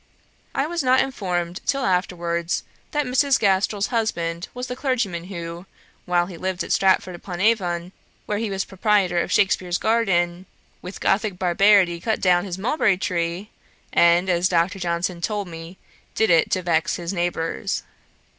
I was not informed, till afterwards, that Mrs. Gastrel's husband was the clergyman who, while he lived at Stratford upon Avon, where he was proprietor of Shakspeare's garden, with Gothick barbarity cut down his mulberry tree, and, as Dr. Johnson told me, did it to vex his neighbours.